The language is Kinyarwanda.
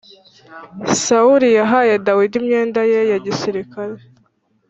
Sawuli yahaye Dawidi imyenda ye ya gisirikare